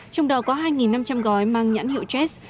trong đó có hai năm trăm linh gói mang nhãn hiệu jet